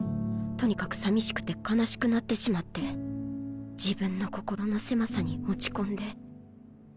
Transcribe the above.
とにかくさみしくて悲しくなってしまって自分の心の狭さに落ち込んで。